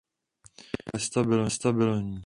Je nestabilní.